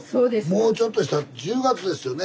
もうちょっとしたら１０月ですよね。